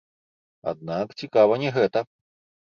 Аднак цікава не гэта.